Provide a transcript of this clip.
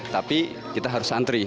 tapi kita harus antri